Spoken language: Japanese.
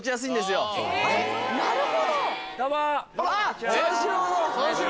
なるほど！